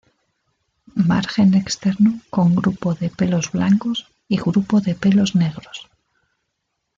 Margen externo con grupo de pelos blancos y grupo de pelos negros.